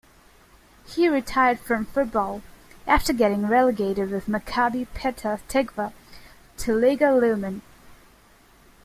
He retired from football after getting relegated with Maccabi Petah Tikva to Liga Leumit.